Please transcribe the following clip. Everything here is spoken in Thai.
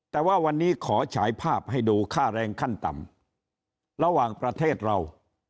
แต่ว่าวันนี้ขอฉายภาพให้ดูค่าแรงขั้นต่ำระหว่างประเทศเรา